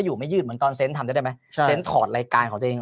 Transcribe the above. อยู่ไม่ยืดเหมือนตอนเส้นทำได้ไหมใช่ถอดรายการของตัวเอง